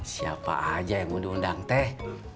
siapa aja yang mau diundang teh